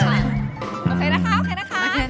โอเคนะคะ